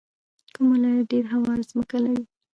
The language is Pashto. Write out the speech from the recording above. کوم ولایت ډیره هواره ځمکه لري؟